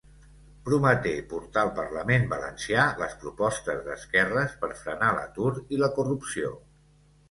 Prometé portar al parlament valencià les propostes d'esquerres per frenar l'atur i la corrupció.